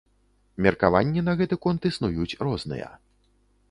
Меркаванні на гэты конт існуюць розныя.